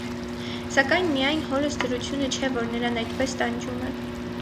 Սակայն միայն հորս դրությունը չէ, որ նրան այդպես տանջում է.